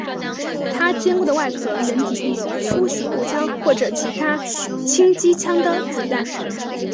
他坚固的外壳能抵御突袭步枪或者其他轻机枪的子弹。